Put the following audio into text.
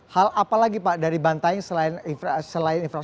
hal apalagi pak dari bantaeng selain infrastruktur kemudian perusahaan